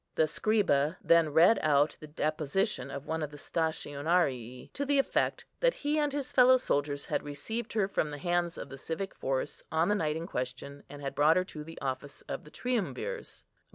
The scriba then read out the deposition of one of the stationarii, to the effect that he and his fellow soldiers had received her from the hands of the civic force on the night in question, and had brought her to the office of the Triumvirs.